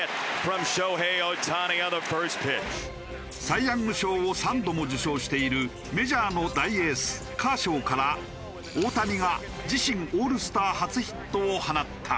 サイ・ヤング賞を３度も受賞しているメジャーの大エースカーショーから大谷が自身オールスター初ヒットを放った。